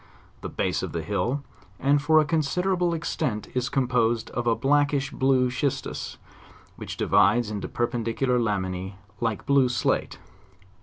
The base of the hill, and for a consider able extent is composed of a blackish blue schistus, which divides into perpendicular lamina like blue slate.